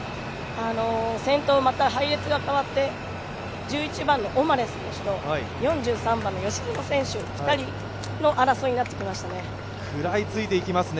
先頭、また配列が変わって１１番のオマレ選手４３番の吉薗選手の２人の争いになってきましたね。